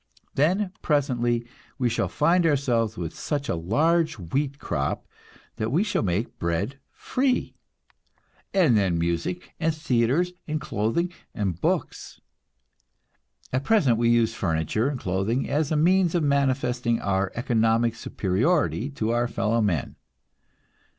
Then, presently, we shall find ourselves with such a large wheat crop that we shall make bread free; and then music and theatres and clothing and books. At present we use furniture and clothing as a means of manifesting our economic superiority to our fellowmen.